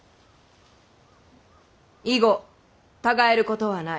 以後たがえることはない。